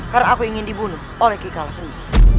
karena aku ingin dibunuh oleh kikalas renggi